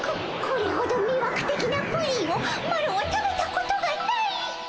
これほどみわくてきなプリンをマロは食べたことがない！